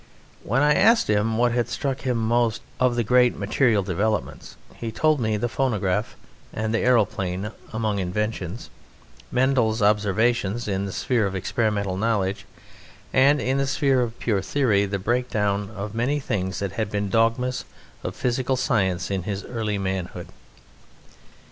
When I asked him what had struck him most of the great material developments, he told me the phonograph and the aeroplane among inventions; Mendel's observations in the sphere of experimental knowledge; and, in the sphere of pure theory, the breakdown of many things that had been dogmas of physical science in his early manhood.